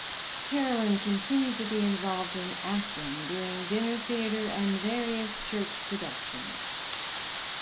Carolyn continued to be involved in acting, doing dinner theater and various church productions.